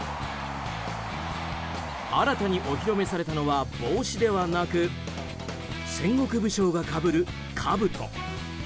新たにお披露目されたのは帽子ではなく戦国武将がかぶる、かぶと。